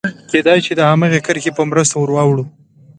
کېدای شي د هماغې کرښې په مرسته به ور اوړو.